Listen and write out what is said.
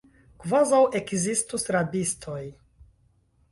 Kvazaŭ ekzistus rabistoj!